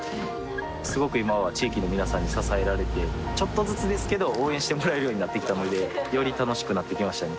すごく今は地域の皆さんに支えられてちょっとずつですけど応援してもらえるようになってきたのでより楽しくなってきましたね